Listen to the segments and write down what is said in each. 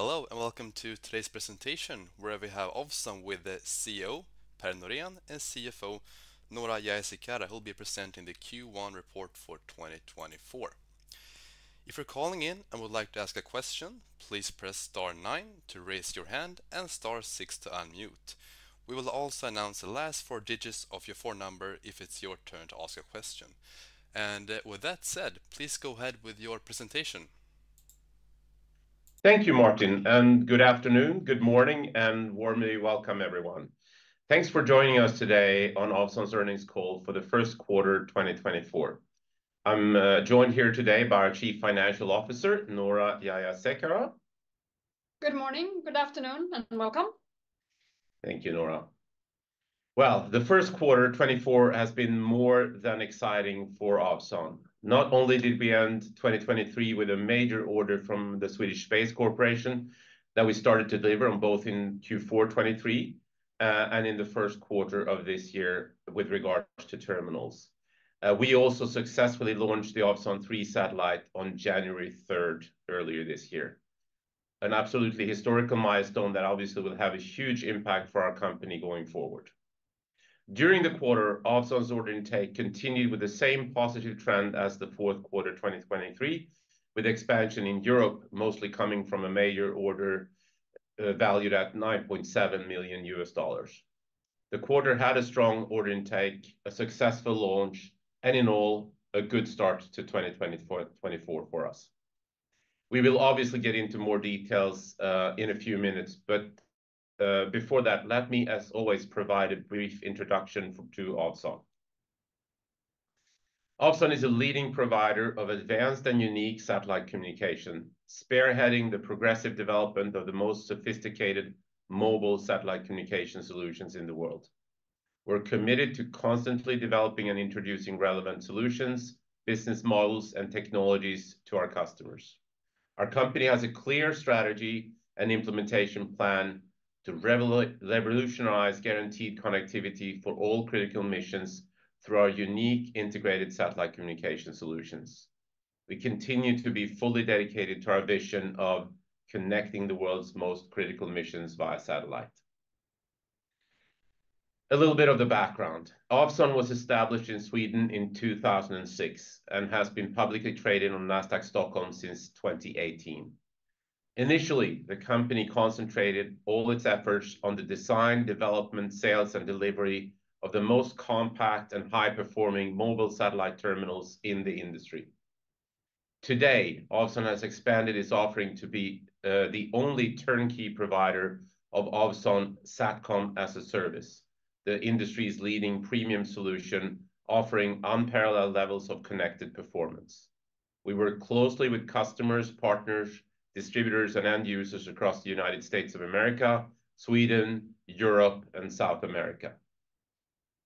Hello and welcome to today's presentation, where we have Ovzon with the CEO, Per Norén, and CFO, Noora Jayasekara, who'll be presenting the Q1 Report for 2024. If you're calling in and would like to ask a question, please press star nine to raise your hand and star six to unmute. We will also announce the last four digits of your phone number if it's your turn to ask a question. With that said, please go ahead with your presentation. Thank you, Martin, and good afternoon, good morning, and warmly welcome everyone. Thanks for joining us today on Ovzon's Earnings Call for the First Quarter 2024. I'm joined here today by our Chief Financial Officer, Noora Jayasekara. Good morning, good afternoon, and welcome. Thank you, Noora. Well, the first quarter 2024 has been more than exciting for Ovzon. Not only did we end 2023 with a major order from the Swedish Space Corporation that we started to deliver on both in Q4 2023 and in the first quarter of this year with regards to terminals, we also successfully launched the Ovzon 3 satellite on January 3rd earlier this year, an absolutely historical milestone that obviously will have a huge impact for our company going forward. During the quarter, Ovzon's order intake continued with the same positive trend as the fourth quarter 2023, with expansion in Europe mostly coming from a major order valued at $9.7 million. The quarter had a strong order intake, a successful launch, and in all, a good start to 2024 for us. We will obviously get into more details in a few minutes, but before that, let me, as always, provide a brief introduction to Ovzon. Ovzon is a leading provider of advanced and unique satellite communication, spearheading the progressive development of the most sophisticated mobile satellite communication solutions in the world. We're committed to constantly developing and introducing relevant solutions, business models, and technologies to our customers. Our company has a clear strategy and implementation plan to revolutionize guaranteed connectivity for all critical missions through our unique integrated satellite communication solutions. We continue to be fully dedicated to our vision of connecting the world's most critical missions via satellite. A little bit of the background: Ovzon was established in Sweden in 2006 and has been publicly traded on NASDAQ Stockholm since 2018. Initially, the company concentrated all its efforts on the design, development, sales, and delivery of the most compact and high-performing mobile satellite terminals in the industry. Today, Ovzon has expanded its offering to be the only turnkey provider of Ovzon Satcom-as-a-Service, the industry's leading premium solution offering unparalleled levels of connected performance. We work closely with customers, partners, distributors, and end users across the United States of America, Sweden, Europe, and South America.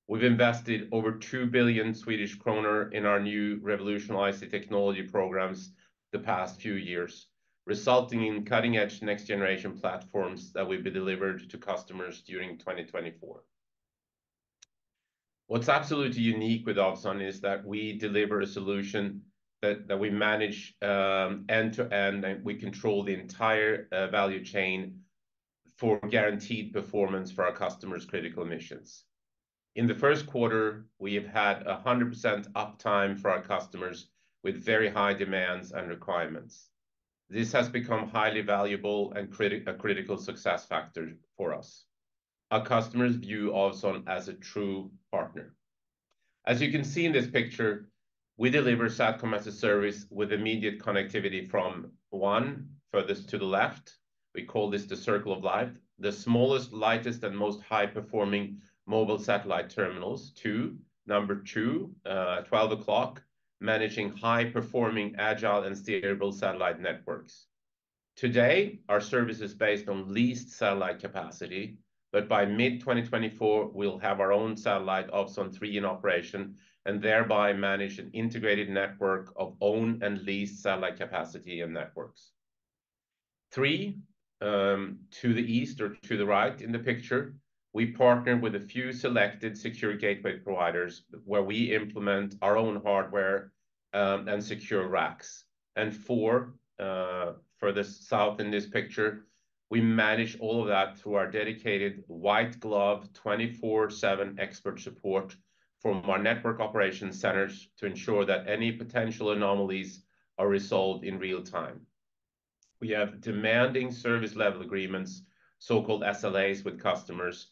We've invested over 2 billion Swedish kronor in our new revolutionized technology programs the past few years, resulting in cutting-edge next-generation platforms that will be delivered to customers during 2024. What's absolutely unique with Ovzon is that we deliver a solution that we manage end-to-end, and we control the entire value chain for guaranteed performance for our customers' critical missions. In the first quarter, we have had 100% uptime for our customers with very high demands and requirements. This has become highly valuable and a critical success factor for us. Our customers view Ovzon as a true partner. As you can see in this picture, we deliver Satcom-as-a-service with immediate connectivity from 1, furthest to the left we call this the Circle of Life, the smallest, lightest, and most high-performing mobile satellite terminals: two, number two, 12 o'clock, managing high-performing agile and stable satellite networks. Today, our service is based on leased satellite capacity, but by mid-2024, we'll have our own satellite, Ovzon 3, in operation and thereby manage an integrated network of owned and leased satellite capacity and networks. Three, to the east or to the right in the picture, we partner with a few selected secure gateway providers where we implement our own hardware and secure racks. And four, furthest south in this picture, we manage all of that through our dedicated white glove 24/7 expert support from our network operations centers to ensure that any potential anomalies are resolved in real time. We have demanding service level agreements, so-called SLAs, with customers,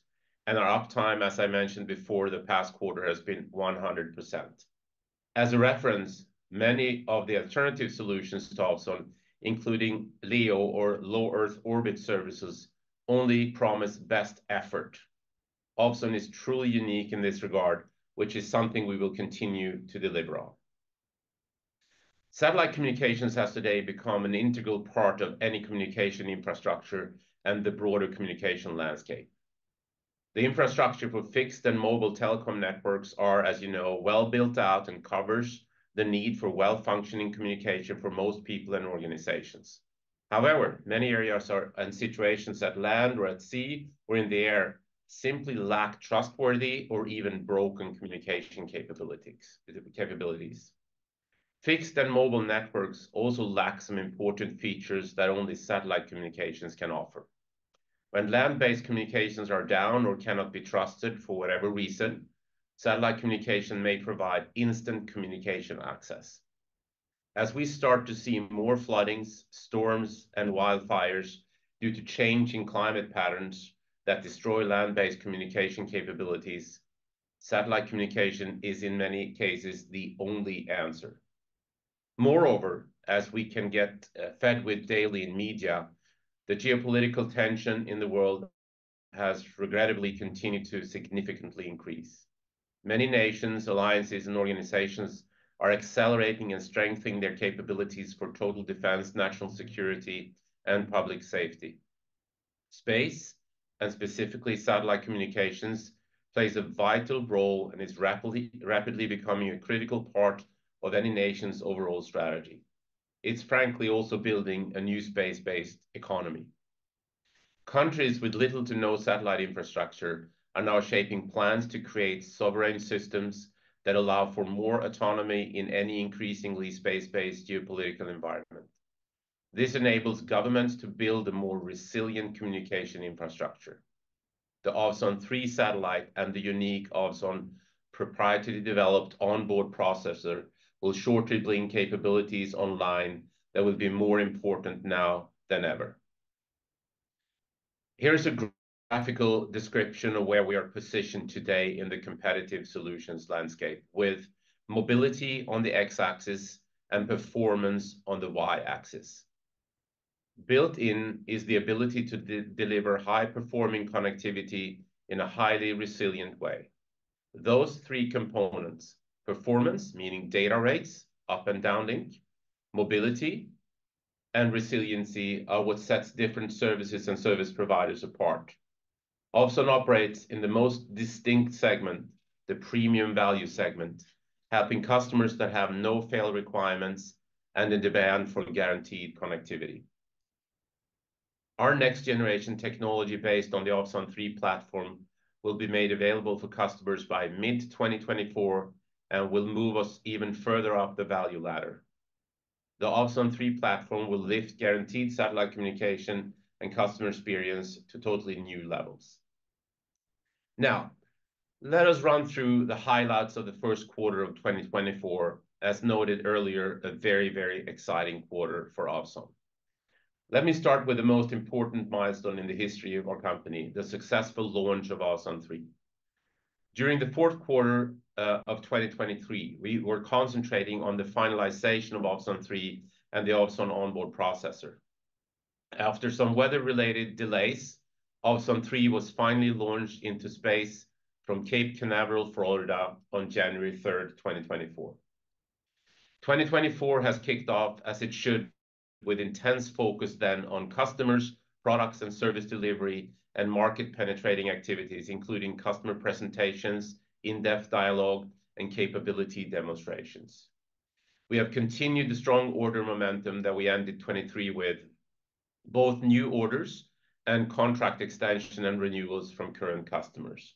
and our uptime, as I mentioned before, the past quarter has been 100%. As a reference, many of the alternative solutions to Ovzon, including LEO or low Earth Orbit services, only promise best effort. Ovzon is truly unique in this regard, which is something we will continue to deliver on. Satellite communications has today become an integral part of any communication infrastructure and the broader communication landscape. The infrastructure for fixed and mobile telecom networks are, as you know, well built out and covers the need for well-functioning communication for most people and organizations. However, many areas and situations at land or at sea or in the air simply lack trustworthy or even broken communication capabilities. Fixed and mobile networks also lack some important features that only satellite communications can offer. When land-based communications are down or cannot be trusted for whatever reason, satellite communication may provide instant communication access. As we start to see more floodings, storms, and wildfires due to changing climate patterns that destroy land-based communication capabilities, satellite communication is, in many cases, the only answer. Moreover, as we can get fed with daily in media, the geopolitical tension in the world has regrettably continued to significantly increase. Many nations, alliances, and organizations are accelerating and strengthening their capabilities for total defense, national security, and public safety. Space, and specifically satellite communications, plays a vital role and is rapidly becoming a critical part of any nation's overall strategy. It's, frankly, also building a new space-based economy. Countries with little to no satellite infrastructure are now shaping plans to create sovereign systems that allow for more autonomy in any increasingly space-based geopolitical environment. This enables governments to build a more resilient communication infrastructure. The Ovzon 3 satellite and the unique Ovzon proprietary developed onboard processor will shortly bring capabilities online that will be more important now than ever. Here's a graphical description of where we are positioned today in the competitive solutions landscape, with mobility on the x-axis and performance on the y-axis. Built-in is the ability to deliver high-performing connectivity in a highly resilient way. Those three components, performance, meaning data rates up and downlink, mobility and resiliency, are what sets different services and service providers apart. Ovzon operates in the most distinct segment, the premium value segment, helping customers that have no failure requirements and in demand for guaranteed connectivity. Our next-generation technology based on the Ovzon 3 platform will be made available for customers by mid-2024 and will move us even further up the value ladder. The Ovzon 3 platform will lift guaranteed satellite communication and customer experience to totally new levels. Now, let us run through the highlights of the first quarter of 2024. As noted earlier, a very, very exciting quarter for Ovzon. Let me start with the most important milestone in the history of our company: the successful launch of Ovzon 3. During the fourth quarter of 2023, we were concentrating on the finalization of Ovzon 3 and the Ovzon Onboard Processor. After some weather-related delays, Ovzon 3 was finally launched into space from Cape Canaveral, Florida, on January 3rd, 2024. 2024 has kicked off as it should, with intense focus then on customers, products and service delivery, and market penetrating activities, including customer presentations, in-depth dialogue, and capability demonstrations. We have continued the strong order momentum that we ended 2023 with, both new orders and contract extension and renewals from current customers.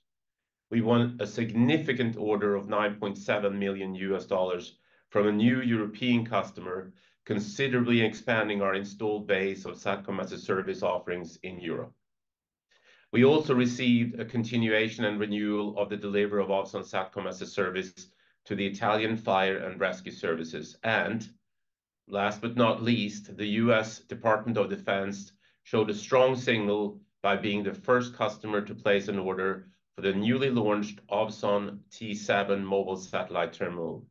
We won a significant order of $9.7 million from a new European customer, considerably expanding our installed base of Satcom as a service offerings in Europe. We also received a continuation and renewal of the delivery of Ovzon Satcom-as-a-service to the Italian Fire and Rescue Services. Last but not least, the US Department of Defense showed a strong signal by being the first customer to place an order for the newly launched Ovzon T7 mobile satellite terminal.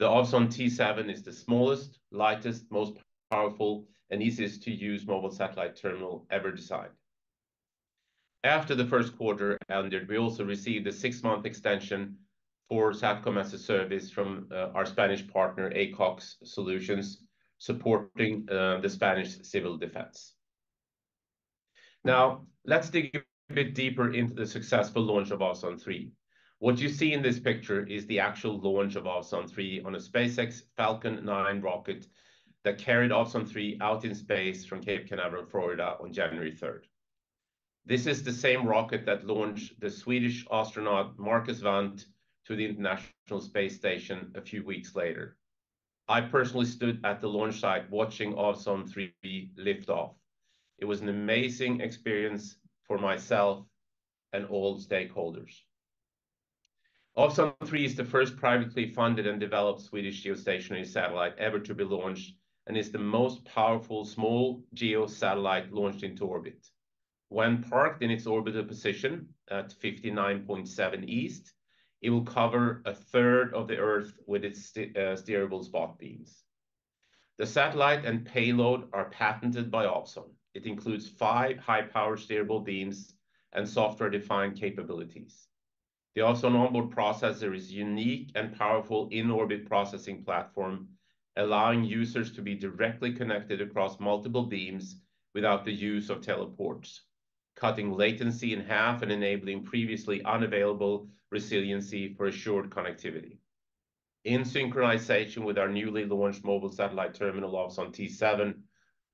The Ovzon T7 is the smallest, lightest, most powerful, and easiest to use mobile satellite terminal ever designed. After the first quarter ended, we also received a six-month extension for Satcom-as-a-Service from our Spanish partner, Aicox Soluciones, supporting the Spanish Civil Defense. Now, let's dig a bit deeper into the successful launch of Ovzon 3. What you see in this picture is the actual launch of Ovzon 3 on a SpaceX Falcon 9 rocket that carried Ovzon 3 out in space from Cape Canaveral, Florida, on January 3. This is the same rocket that launched the Swedish astronaut Marcus Wandt to the International Space Station a few weeks later. I personally stood at the launch site watching Ovzon 3 lift off. It was an amazing experience for myself and all stakeholders. Ovzon 3 is the first privately funded and developed Swedish geostationary satellite ever to be launched and is the most powerful small geo satellite launched into orbit. When parked in its orbital position at 59.7 east, it will cover a third of the Earth with its steerable spot beams. The satellite and payload are patented by Ovzon. It includes five high-power steerable beams and software-defined capabilities. The Ovzon onboard processor is a unique and powerful in-orbit processing platform, allowing users to be directly connected across multiple beams without the use of teleports, cutting latency in half and enabling previously unavailable resiliency for assured connectivity. In synchronization with our newly launched mobile satellite terminal, Ovzon T7,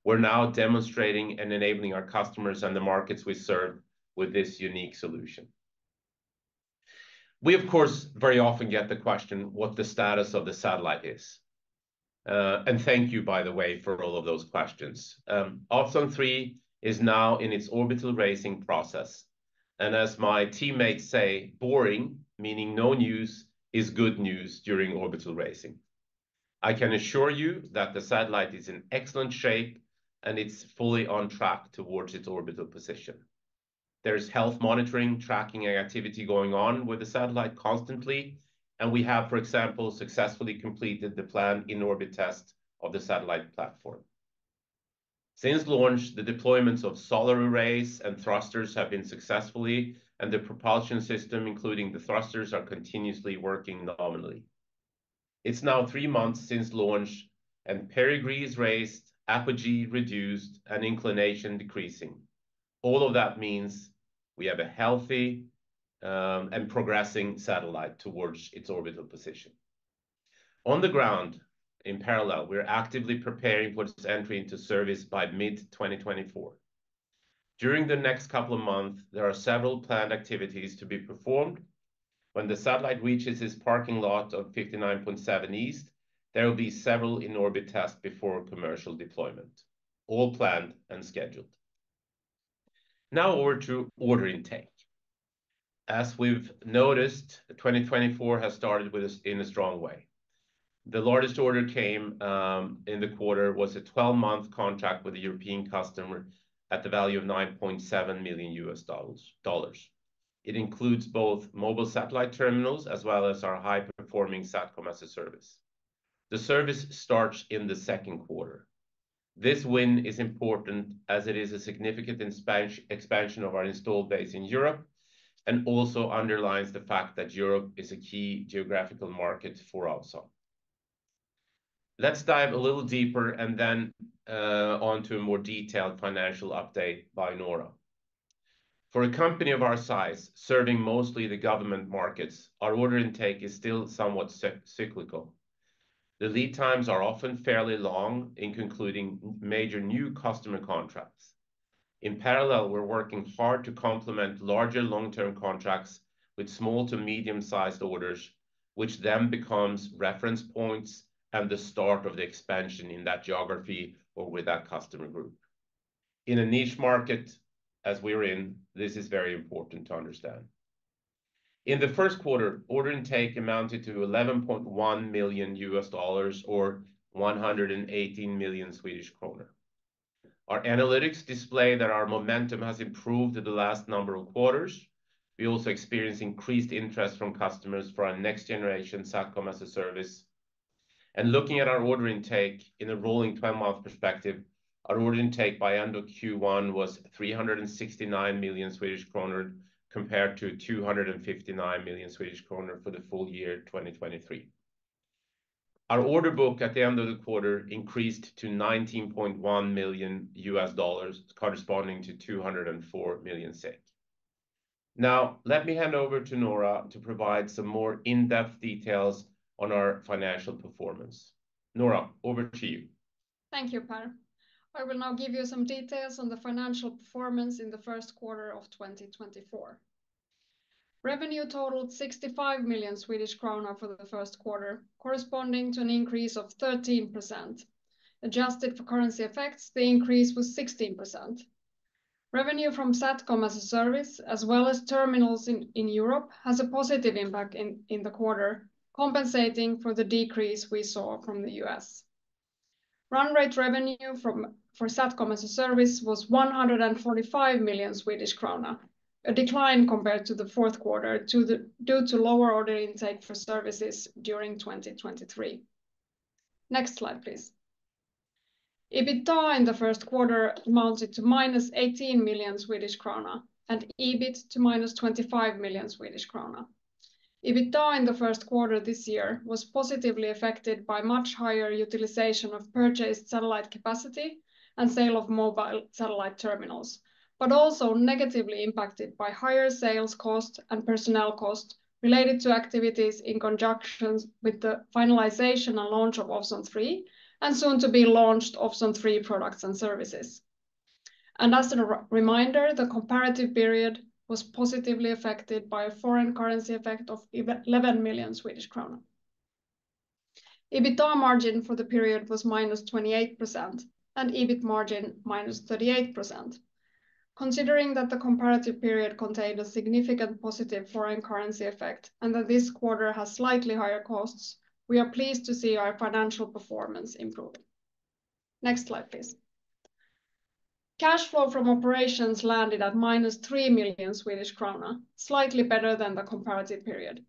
we're now demonstrating and enabling our customers and the markets we serve with this unique solution. We, of course, very often get the question what the status of the satellite is. Thank you, by the way, for all of those questions. Ovzon 3 is now in its orbital raising process. As my teammates say, boring, meaning no news, is good news during orbital raising. I can assure you that the satellite is in excellent shape and it's fully on track towards its orbital position. There's health monitoring, tracking activity going on with the satellite constantly. We have, for example, successfully completed the planned in-orbit test of the satellite platform. Since launch, the deployments of solar arrays and thrusters have been successful, and the propulsion system, including the thrusters, are continuously working nominally. It's now three months since launch, and perigee is raised, apogee reduced, and inclination decreasing. All of that means we have a healthy and progressing satellite towards its orbital position. On the ground, in parallel, we're actively preparing for its entry into service by mid-2024. During the next couple of months, there are several planned activities to be performed. When the satellite reaches its parking slot of 59.7 east, there will be several in-orbit tests before commercial deployment, all planned and scheduled. Now over to order intake. As we've noticed, 2024 has started in a strong way. The largest order came in the quarter was a 12-month contract with a European customer at the value of $9.7 million. It includes both mobile satellite terminals as well as our high-performing Satcom-as-a-Service. The service starts in the second quarter. This win is important as it is a significant expansion of our installed base in Europe and also underlines the fact that Europe is a key geographical market for Ovzon. Let's dive a little deeper and then on to a more detailed financial update by Noora. For a company of our size, serving mostly the government markets, our order intake is still somewhat cyclical. The lead times are often fairly long in concluding major new customer contracts. In parallel, we're working hard to complement larger long-term contracts with small to medium-sized orders, which then become reference points and the start of the expansion in that geography or with that customer group. In a niche market as we're in, this is very important to understand. In the first quarter, order intake amounted to $11.1 million or SEK 118 million. Our analysts display that our momentum has improved in the last number of quarters. We also experience increased interest from customers for our next-generation Satcom as a service. Looking at our order intake in a rolling 12-month perspective, our order intake by end of Q1 was 369 million Swedish kronor compared to 259 million Swedish kronor for the full year 2023. Our order book at the end of the quarter increased to $19.1 million, corresponding to 204 million. Now, let me hand over to Noora to provide some more in-depth details on our financial performance. Noora, over to you. Thank you, Per. I will now give you some details on the financial performance in the first quarter of 2024. Revenue totaled 65 million Swedish kronor for the first quarter, corresponding to an increase of 13%. Adjusted for currency effects, the increase was 16%. Revenue from Satcom as a service, as well as terminals in Europe, has a positive impact in the quarter, compensating for the decrease we saw from the US. Run rate revenue for Satcom as a service was 145 million Swedish krona, a decline compared to the fourth quarter due to lower order intake for services during 2023. Next slide, please. EBITDA in the first quarter amounted to -18 million Swedish krona and EBIT to -25 million Swedish krona. EBITDA in the first quarter this year was positively affected by much higher utilization of purchased satellite capacity and sale of mobile satellite terminals, but also negatively impacted by higher sales cost and personnel cost related to activities in conjunction with the finalization and launch of Ovzon 3 and soon-to-be launched Ovzon 3 products and services. As a reminder, the comparative period was positively affected by a foreign currency effect of 11 million Swedish kronor. EBITDA margin for the period was -28% and EBIT margin -38%. Considering that the comparative period contained a significant positive foreign currency effect and that this quarter has slightly higher costs, we are pleased to see our financial performance improving. Next slide, please. Cash flow from operations landed at -3 million Swedish krona, slightly better than the comparative period.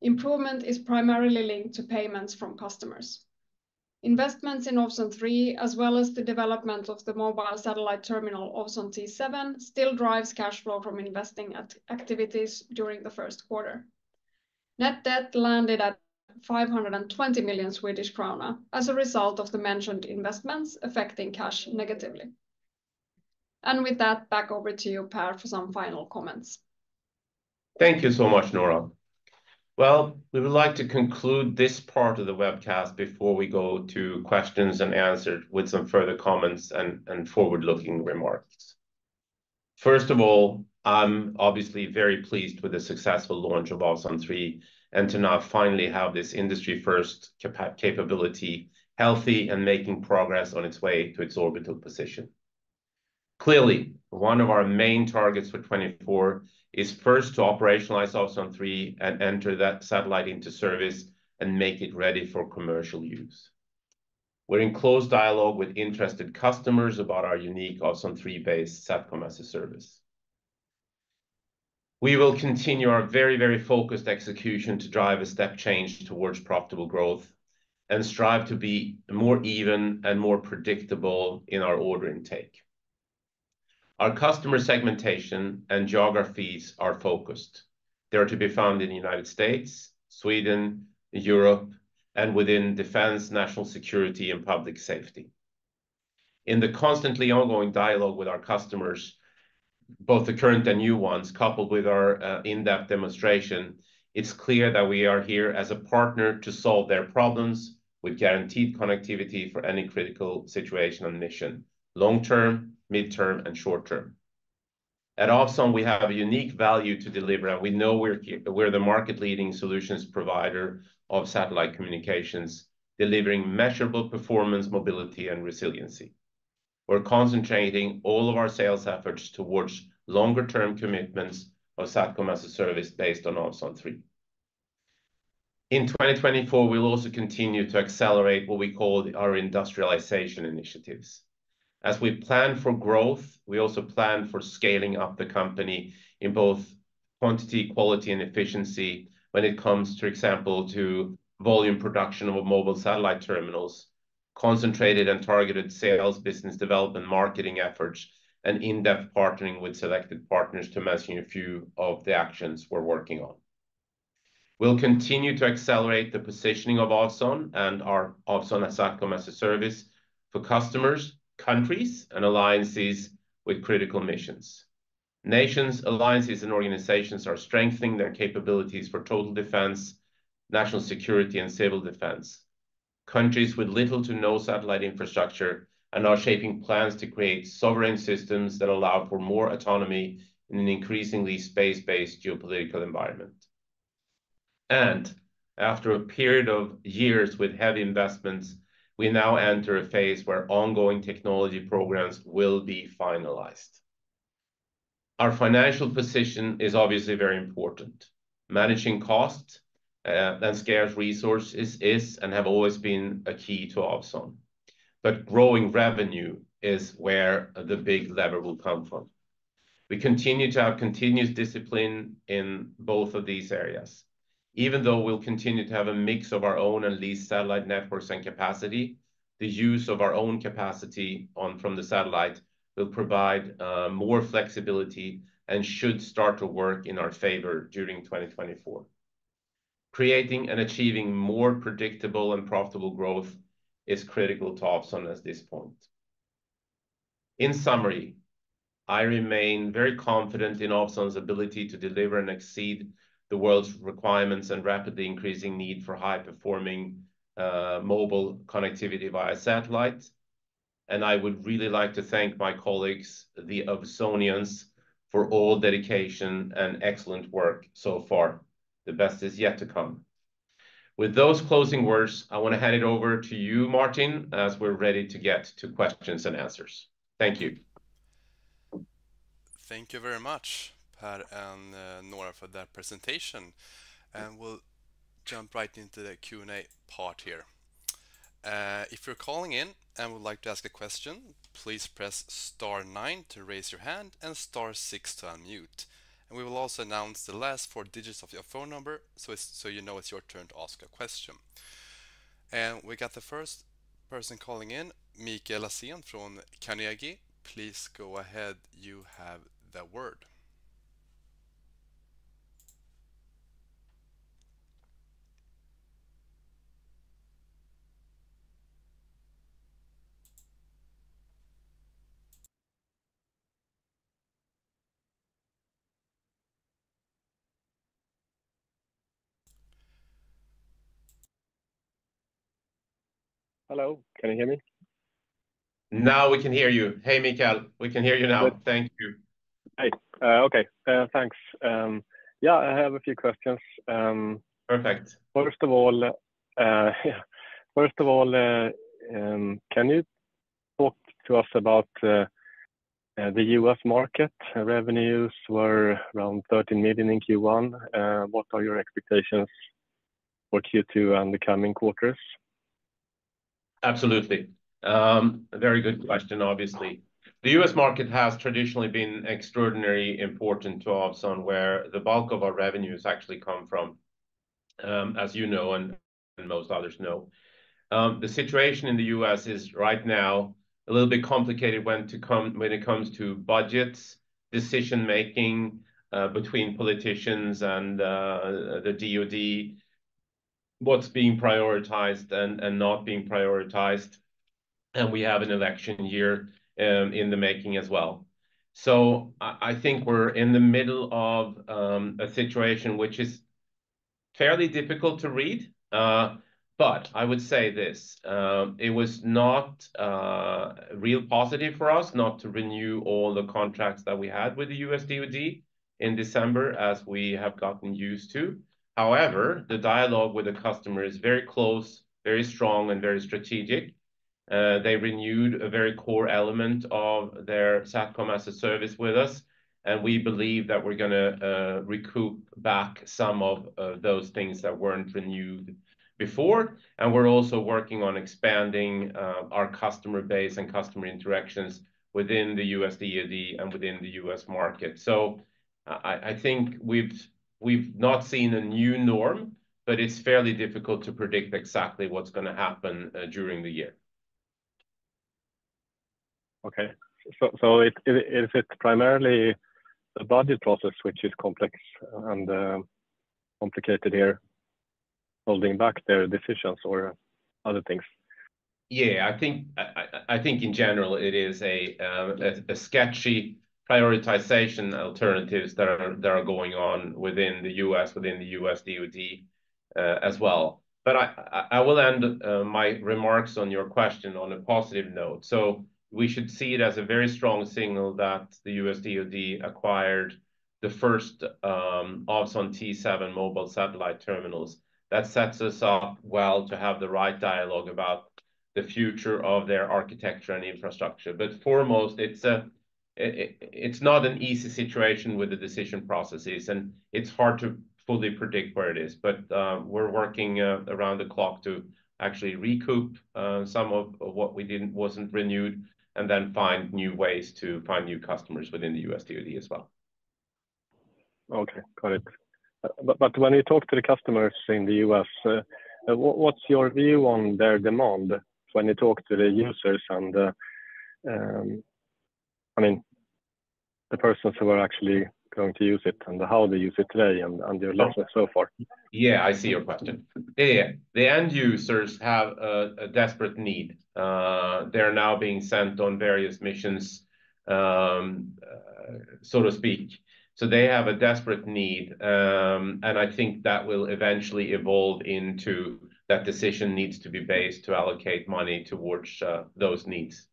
Improvement is primarily linked to payments from customers. Investments in Ovzon 3, as well as the development of the mobile satellite terminal Ovzon T7, still drive cash flow from investing activities during the first quarter. Net debt landed at 520 million Swedish krona as a result of the mentioned investments affecting cash negatively. With that, back over to you, Per, for some final comments. Thank you so much, Noora. Well, we would like to conclude this part of the webcast before we go to questions and answers with some further comments and forward-looking remarks. First of all, I'm obviously very pleased with the successful launch of Ovzon 3 and to now finally have this industry-first capability healthy and making progress on its way to its orbital position. Clearly, one of our main targets for 2024 is first to operationalize Ovzon 3 and enter that satellite into service and make it ready for commercial use. We're in close dialogue with interested customers about our unique Ovzon 3-based SATCOM-as-a-Service. We will continue our very, very focused execution to drive a step change towards profitable growth and strive to be more even and more predictable in our order intake. Our customer segmentation and geographies are focused. They are to be found in the United States, Sweden, Europe, and within defense, national security, and public safety. In the constantly ongoing dialogue with our customers, both the current and new ones, coupled with our in-depth demonstration, it's clear that we are here as a partner to solve their problems with guaranteed connectivity for any critical situation and mission, long-term, mid-term, and short-term. At Ovzon, we have a unique value to deliver, and we know we're the market-leading solutions provider of satellite communications, delivering measurable performance, mobility, and resiliency. We're concentrating all of our sales efforts towards longer-term commitments of Satcom as a Service based on Ovzon 3. In 2024, we'll also continue to accelerate what we call our industrialization initiatives. As we plan for growth, we also plan for scaling up the company in both quantity, quality, and efficiency when it comes, for example, to volume production of mobile satellite terminals, concentrated and targeted sales, business development, marketing efforts, and in-depth partnering with selected partners to mention a few of the actions we're working on. We'll continue to accelerate the positioning of Ovzon and our Ovzon SATCOM-as-a-Service for customers, countries, and alliances with critical missions. Nations, alliances, and organizations are strengthening their capabilities for total defense, national security, and civil defense. Countries with little to no satellite infrastructure are shaping plans to create sovereign systems that allow for more autonomy in an increasingly space-based geopolitical environment. After a period of years with heavy investments, we now enter a phase where ongoing technology programs will be finalized. Our financial position is obviously very important. Managing costs and scarce resources is and have always been a key to Ovzon. But growing revenue is where the big lever will come from. We continue to have continuous discipline in both of these areas. Even though we'll continue to have a mix of our own and leased satellite networks and capacity, the use of our own capacity from the satellite will provide more flexibility and should start to work in our favor during 2024. Creating and achieving more predictable and profitable growth is critical to Ovzon at this point. In summary, I remain very confident in Ovzon's ability to deliver and exceed the world's requirements and rapidly increasing need for high-performing mobile connectivity via satellite. And I would really like to thank my colleagues, the Ovzonians, for all dedication and excellent work so far. The best is yet to come. With those closing words, I want to hand it over to you, Martin, as we're ready to get to questions and answers. Thank you. Thank you very much, Per and Noora, for that presentation. We'll jump right into the Q&A part here. If you're calling in and would like to ask a question, please press star 9 to raise your hand and star 6 to unmute. We will also announce the last four digits of your phone number so you know it's your turn to ask a question. We got the first person calling in, Mikael Laseén from Carnegie. Please go ahead. You have the word. Hello. Can you hear me? Now we can hear you. Hey, Mikael. We can hear you now. Thank you. Hey. Okay. Thanks. Yeah, I have a few questions. Perfect. First of all, yeah. First of all, can you talk to us about the U.S. market? Revenues were around 13 million in Q1. What are your expectations for Q2 and the coming quarters? Absolutely. Very good question, obviously. The U.S. market has traditionally been extraordinarily important to Ovzon, where the bulk of our revenues actually come from, as you know and most others know. The situation in the U.S. is right now a little bit complicated when it comes to budgets, decision-making between politicians and the DoD, what's being prioritized and not being prioritized. And we have an election year in the making as well. So I think we're in the middle of a situation which is fairly difficult to read. But I would say this. It was not real positive for us not to renew all the contracts that we had with the U.S. DoD in December as we have gotten used to. However, the dialogue with the customer is very close, very strong, and very strategic. They renewed a very core element of their Satcom as a service with us. And we believe that we're going to recoup back some of those things that weren't renewed before. And we're also working on expanding our customer base and customer interactions within the U.S. DoD and within the U.S. market. So I think we've not seen a new norm, but it's fairly difficult to predict exactly what's going to happen during the year. Okay. So is it primarily the budget process which is complex and complicated here, holding back their decisions or other things? Yeah. I think in general, it is a sketchy prioritization alternatives that are going on within the U.S., within the U.S. DoD as well. But I will end my remarks on your question on a positive note. So we should see it as a very strong signal that the U.S. DoD acquired the first Ovzon T7 mobile satellite terminals. That sets us up well to have the right dialogue about the future of their architecture and infrastructure. But foremost, it's not an easy situation with the decision processes. And it's hard to fully predict where it is. But we're working around the clock to actually recoup some of what wasn't renewed and then find new ways to find new customers within the U.S. DoD as well. Okay. Got it. But when you talk to the customers in the U.S., what's your view on their demand when you talk to the users and, I mean, the persons who are actually going to use it and how they use it today and your lessons so far? Yeah. I see your question. Yeah. Yeah. The end users have a desperate need. They're now being sent on various missions, so to speak. So they have a desperate need. And I think that will eventually evolve into that decision needs to be based to allocate money towards those needs.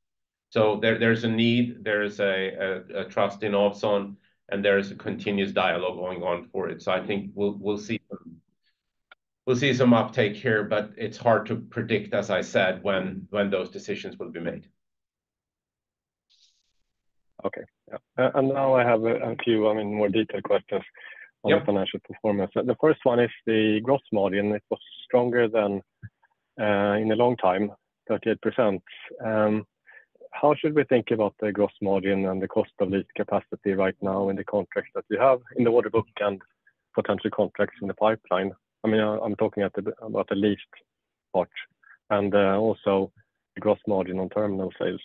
So there's a need. There's a trust in Ovzon. And there's a continuous dialogue going on for it. So I think we'll see some we'll see some uptake here. But it's hard to predict, as I said, when those decisions will be made. Okay. Yeah. And now I have a few, I mean, more detailed questions on the financial performance. The first one is the gross margin. It was stronger than in a long time, 38%. How should we think about the gross margin and the cost of leased capacity right now in the contracts that we have in the order book and potential contracts in the pipeline?I mean, I'm talking about the leased part and also the gross margin on terminal sales.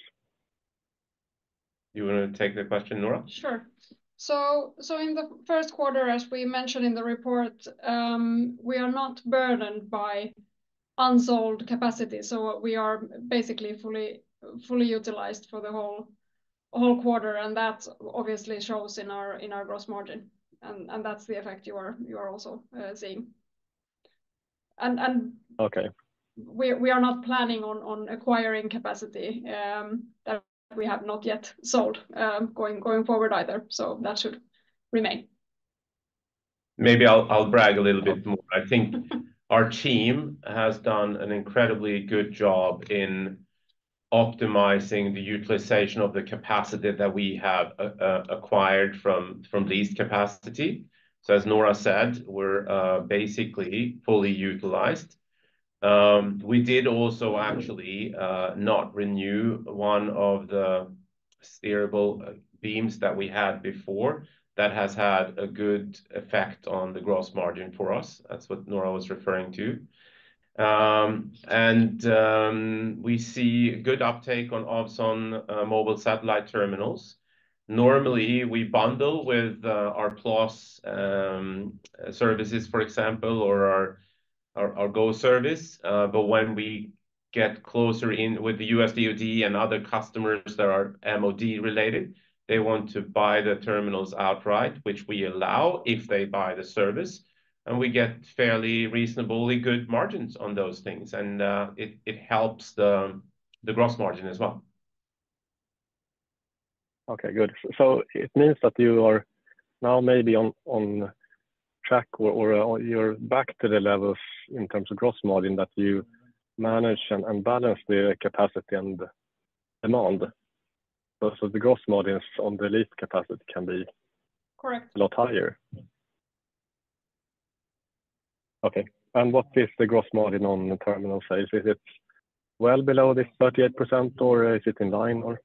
You want to take the question, Noora? Sure. In the first quarter, as we mentioned in the report, we are not burdened by unsold capacity. We are basically fully utilized for the whole quarter. That obviously shows in our gross margin. That's the effect you are also seeing. We are not planning on acquiring capacity that we have not yet sold going forward either. That should remain. Maybe I'll brag a little bit more. I think our team has done an incredibly good job in optimizing the utilization of the capacity that we have acquired from leased capacity. As Noora said, we're basically fully utilized. We did also actually not renew one of the steerable beams that we had before that has had a good effect on the gross margin for us. That's what Noora was referring to. We see good uptake on Ovzon mobile satellite terminals. Normally, we bundle with our plus services, for example, or our GEO service. But when we get closer in with the U.S. DoD and other customers that are MOD-related, they want to buy the terminals outright, which we allow if they buy the service. We get fairly reasonably good margins on those things. It helps the gross margin as well. Okay. Good. So it means that you are now maybe on track or you're back to the levels in terms of gross margin that you manage and balance the capacity and demand. So the gross margins on the leased capacity can be a lot higher. Correct. Okay. And what is the gross margin on terminal sales? Is it well below this 38%, or is it in line, or?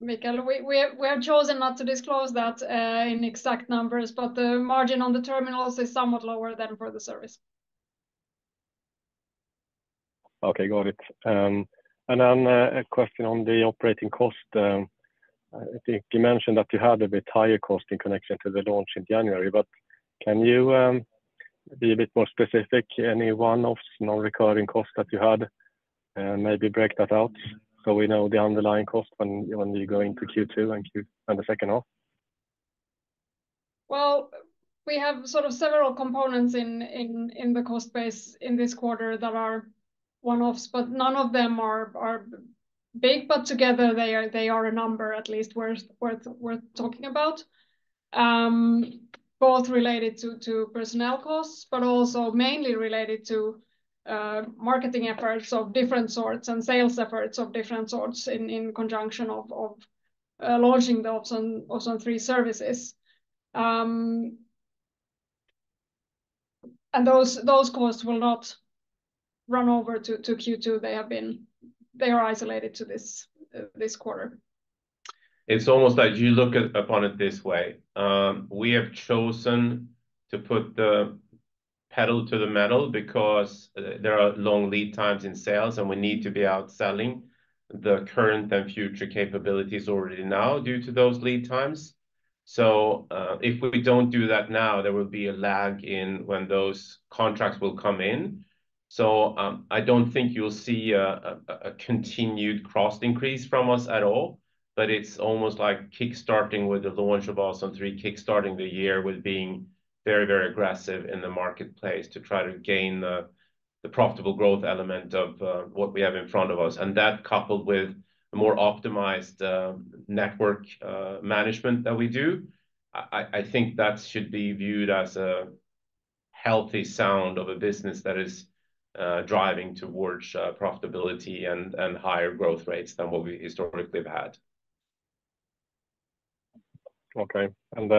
Mikael, we have chosen not to disclose that in exact numbers. But the margin on the terminals is somewhat lower than for the service. Okay. Got it. And then a question on the operating cost. I think you mentioned that you had a bit higher cost in connection to the launch in January. But can you be a bit more specific? Any one-offs, non-recurring costs that you had? Maybe break that out so we know the underlying cost when you go into Q2 and the second half? Well, we have sort of several components in the cost base in this quarter that are one-offs. But none of them are big. But together, they are a number, at least, worth talking about, both related to personnel costs but also mainly related to marketing efforts of different sorts and sales efforts of different sorts in conjunction of launching the Ovzon 3 services. And those costs will not run over to Q2. They are isolated to this quarter. It's almost like you look upon it this way. We have chosen to put the pedal to the metal because there are long lead times in sales, and we need to be out selling the current and future capabilities already now due to those lead times. So if we don't do that now, there will be a lag in when those contracts will come in. So I don't think you'll see a continued cost increase from us at all. But it's almost like kickstarting with the launch of Ovzon 3, kickstarting the year with being very, very aggressive in the marketplace to try to gain the profitable growth element of what we have in front of us. And that coupled with more optimized network management that we do, I think that should be viewed as a healthy sound of a business that is driving towards profitability and higher growth rates than what we historically have had. Okay. And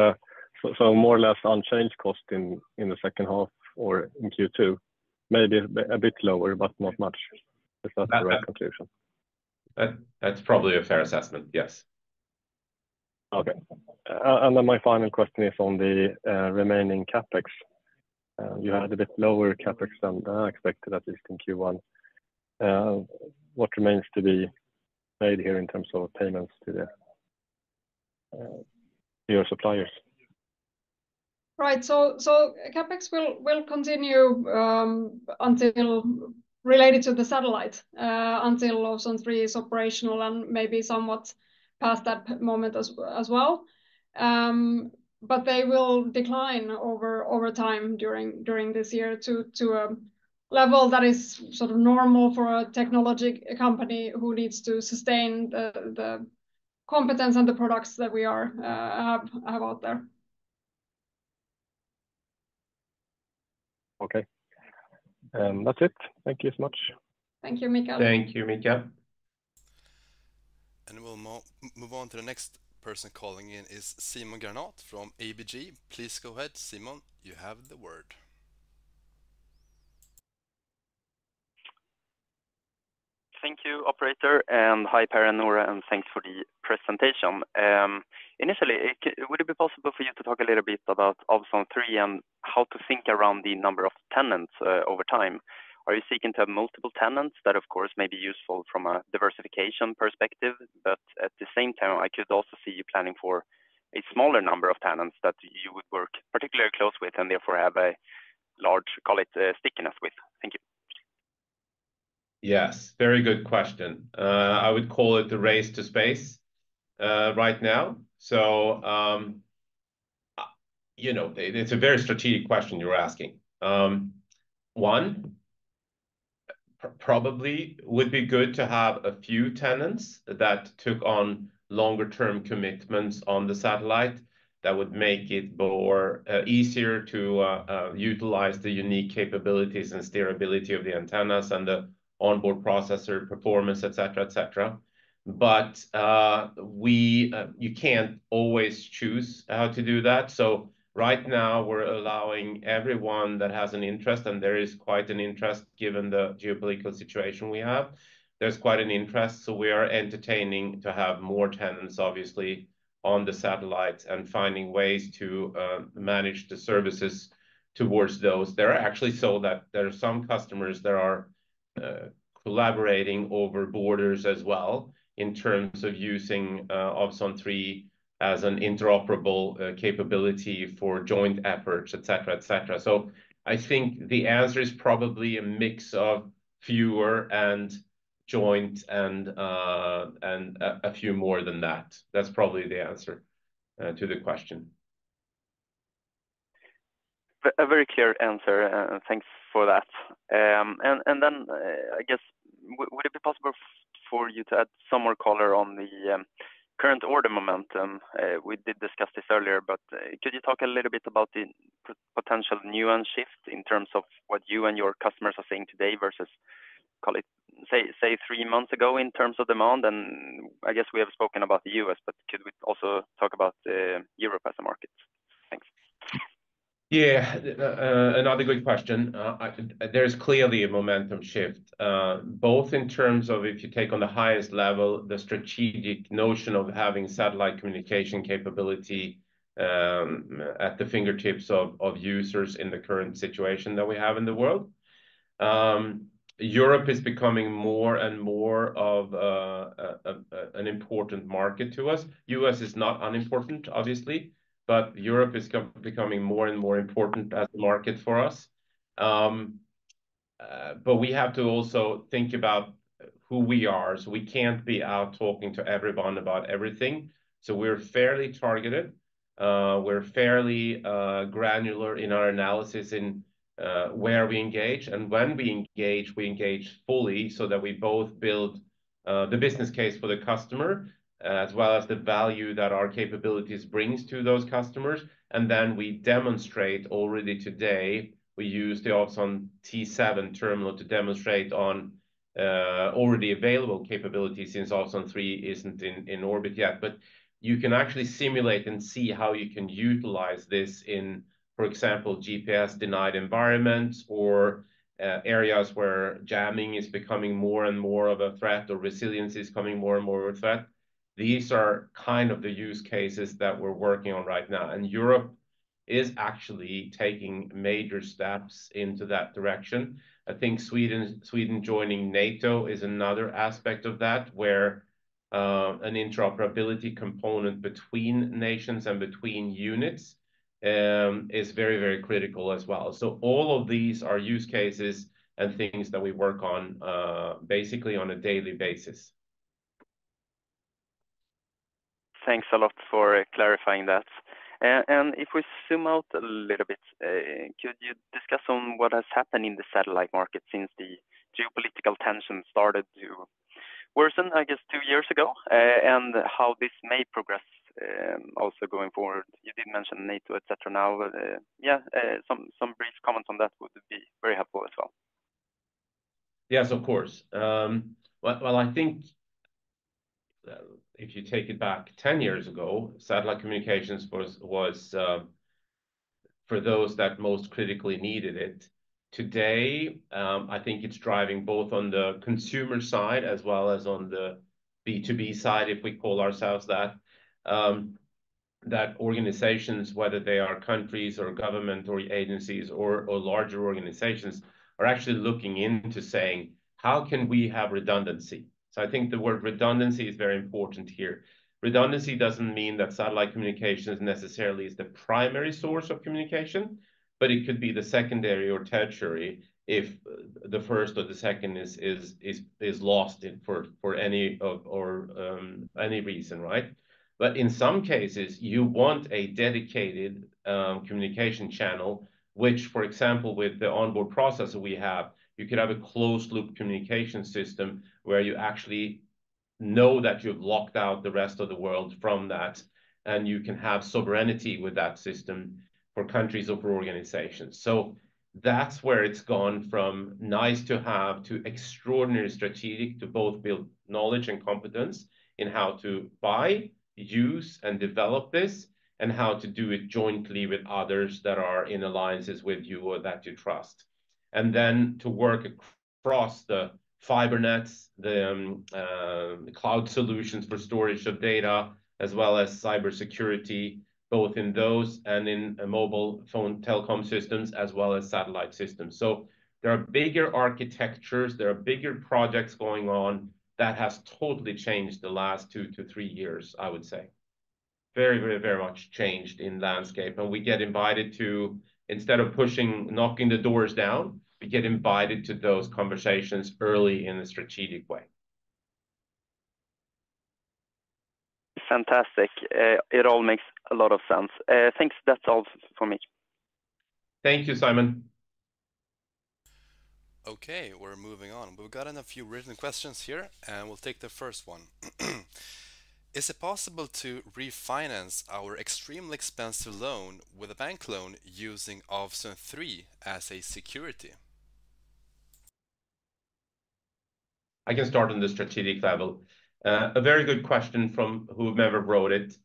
so more or less unchanged cost in the second half or in Q2, maybe a bit lower but not much. Is that the right conclusion? That's probably a fair assessment. Yes. Okay. And then my final question is on the remaining CapEx. You had a bit lower CapEx than I expected, at least in Q1. What remains to be made here in terms of payments to your suppliers? Right. So CapEx will continue related to the satellite until Ovzon 3 is operational and maybe somewhat past that moment as well. But they will decline over time during this year to a level that is sort of normal for a technology company who needs to sustain the competence and the products that we have out there. Okay. That's it. Thank you so much. Thank you, Mikael. Thank you, Mikael. And we'll move on to the next person calling in is Simon Granath from ABG. Please go ahead, Simon. You have the word. Thank you, operator. And hi, Per and Noora. And thanks for the presentation. Initially, would it be possible for you to talk a little bit about Ovzon 3 and how to think around the number of tenants over time? Are you seeking to have multiple tenants that, of course, may be useful from a diversification perspective? But at the same time, I could also see you planning for a smaller number of tenants that you would work particularly close with and therefore have a large, call it, stickiness with. Thank you. Yes. Very good question. I would call it the race to space right now. So it's a very strategic question you're asking. One, probably would be good to have a few tenants that took on longer-term commitments on the satellite that would make it easier to utilize the unique capabilities and steerability of the antennas and the onboard processor performance, etc., etc. But you can't always choose how to do that. So right now, we're allowing everyone that has an interest, and there is quite an interest given the geopolitical situation we have. There's quite an interest. So we are entertaining to have more tenants, obviously, on the satellites and finding ways to manage the services towards those. They're actually so that there are some customers that are collaborating over borders as well in terms of using Ovzon 3 as an interoperable capability for joint efforts, etc., etc. So I think the answer is probably a mix of fewer and joint and a few more than that. That's probably the answer to the question. A very clear answer. Thanks for that. And then, I guess, would it be possible for you to add some more color on the current order momentum? We did discuss this earlier. But could you talk a little bit about the potential nuance shift in terms of what you and your customers are seeing today versus, call it, say, three months ago in terms of demand? I guess we have spoken about the U.S. Could we also talk about Europe as a market? Thanks. Yeah. Another good question. There is clearly a momentum shift, both in terms of if you take on the highest level, the strategic notion of having satellite communication capability at the fingertips of users in the current situation that we have in the world. Europe is becoming more and more of an important market to us. U.S. is not unimportant, obviously. But Europe is becoming more and more important as a market for us. But we have to also think about who we are. So we can't be out talking to everyone about everything. So we're fairly targeted. We're fairly granular in our analysis in where we engage. When we engage, we engage fully so that we both build the business case for the customer as well as the value that our capabilities bring to those customers. Then we demonstrate. Already today, we use the Ovzon T7 terminal to demonstrate on already available capabilities since Ovzon 3 isn't in orbit yet. But you can actually simulate and see how you can utilize this in, for example, GPS-denied environments or areas where jamming is becoming more and more of a threat or resilience is coming more and more of a threat. These are kind of the use cases that we're working on right now. Europe is actually taking major steps into that direction. I think Sweden joining NATO is another aspect of that where an interoperability component between nations and between units is very, very critical as well. So all of these are use cases and things that we work on basically on a daily basis. Thanks a lot for clarifying that. If we zoom out a little bit, could you discuss on what has happened in the satellite market since the geopolitical tensions started to worsen, I guess, two years ago and how this may progress also going forward? You did mention NATO, etc. Now, yeah, some brief comments on that would be very helpful as well. Yes, of course. Well, I think if you take it back 10 years ago, satellite communications was for those that most critically needed it. Today, I think it's driving both on the consumer side as well as on the B2B side, if we call ourselves that, that organizations, whether they are countries or government or agencies or larger organizations, are actually looking into saying, "How can we have redundancy?" So I think the word redundancy is very important here. Redundancy doesn't mean that satellite communications necessarily is the primary source of communication. But it could be the secondary or tertiary if the first or the second is lost for any reason, right? But in some cases, you want a dedicated communication channel, which, for example, with the onboard processor we have, you could have a closed-loop communication system where you actually know that you've locked out the rest of the world from that. And you can have sovereignty with that system for countries or for organizations. So that's where it's gone from nice to have to extraordinary strategic to both build knowledge and competence in how to buy, use, and develop this and how to do it jointly with others that are in alliances with you or that you trust, and then to work across the fibernets, the cloud solutions for storage of data, as well as cybersecurity, both in those and in mobile phone telecom systems as well as satellite systems. So there are bigger architectures. There are bigger projects going on that have totally changed the last 2-3 years, I would say, very, very, very much changed in landscape. And we get invited to instead of knocking the doors down, we get invited to those conversations early in a strategic way. Fantastic. It all makes a lot of sense. Thanks. That's all for me. Thank you, Simon. Okay. We're moving on. We've gotten a few written questions here. We'll take the first one. Is it possible to refinance our extremely expensive loan with a bank loan using Ovzon 3 as a security? I can start on the strategic level. A very good question from whoever wrote it.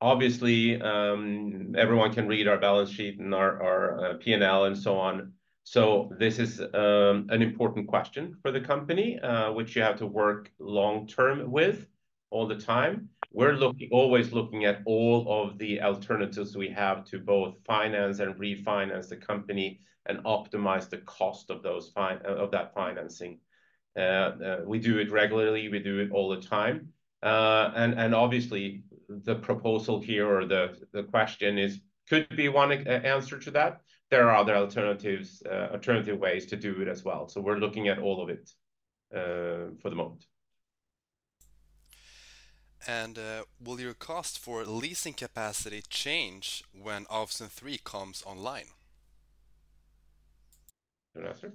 Obviously, everyone can read our balance sheet and our P&L and so on. So this is an important question for the company, which you have to work long-term with all the time. We're always looking at all of the alternatives we have to both finance and refinance the company and optimize the cost of that financing. We do it regularly. We do it all the time. And obviously, the proposal here or the question could be one answer to that. There are other alternative ways to do it as well. So we're looking at all of it for the moment. And will your cost for leasing capacity change when Ovzon 3 comes online? Good answer?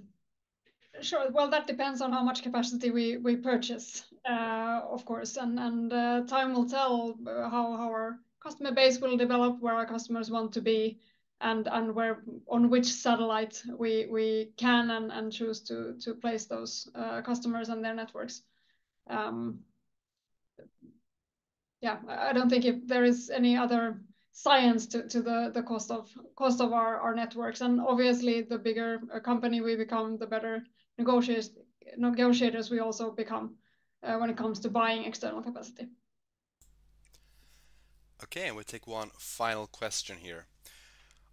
Sure. Well, that depends on how much capacity we purchase, of course. And time will tell how our customer base will develop, where our customers want to be, and on which satellite we can and choose to place those customers and their networks. Yeah. I don't think if there is any other science to the cost of our networks. And obviously, the bigger company we become, the better negotiators we also become when it comes to buying external capacity. Okay. And we take one final question here.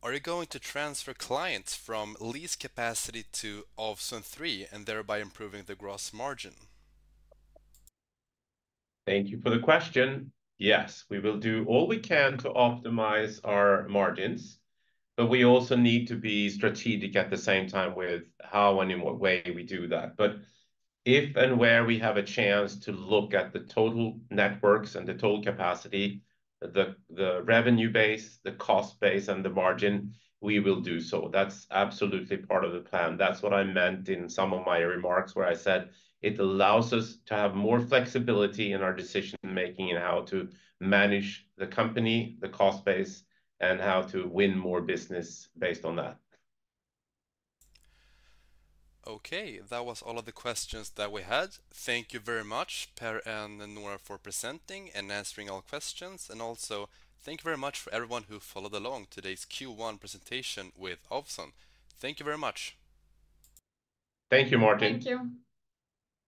Are you going to transfer clients from leased capacity to Ovzon 3 and thereby improving the gross margin? Thank you for the question. Yes. We will do all we can to optimize our margins. But we also need to be strategic at the same time with how and in what way we do that. But if and where we have a chance to look at the total networks and the total capacity, the revenue base, the cost base, and the margin, we will do so. That's absolutely part of the plan. That's what I meant in some of my remarks where I said it allows us to have more flexibility in our decision-making in how to manage the company, the cost base, and how to win more business based on that. Okay. That was all of the questions that we had. Thank you very much, Per Norén and Noora, for presenting and answering all questions. And also, thank you very much for everyone who followed along today's Q1 presentation with Ovzon. Thank you very much. Thank you, Martin. Thank you.